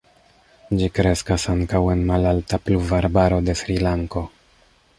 Ĝi kreskas ankaŭ en malalta pluvarbaro de Srilanko.